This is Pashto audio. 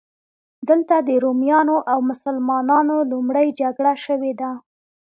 دلته د رومیانو او مسلمانانو لومړۍ جګړه شوې ده.